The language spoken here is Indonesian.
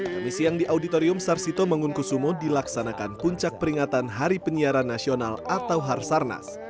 kami siang di auditorium sarsito mangunkusumo dilaksanakan puncak peringatan hari penyiaran nasional atau harsarnas